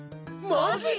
マジ？